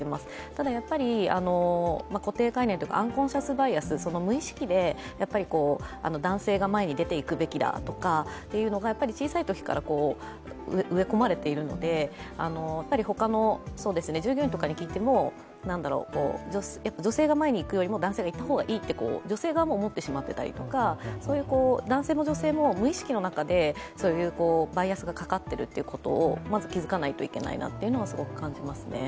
ただ、固定概念というかアンコンサスバイアス無意識で男性が前に出ていくべきだというのが小さいときから植え込まれているので、他の従業員とかに聞いても女性が前にいくよりも男性がいく方がいいと女性側も思ってしまっていたりとか、男性も女性も無意識の中でバイアスがかかっていることを、まず気づかないといけないなというのを、すごく感じますね。